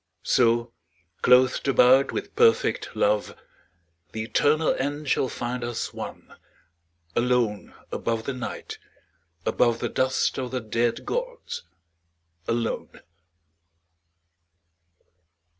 So, clothed about with perfect love, The eternal end shall find us one, Alone above the Night, above The dust of the dead gods, alone.